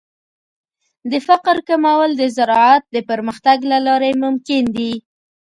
د فقر کمول د زراعت د پرمختګ له لارې ممکن دي.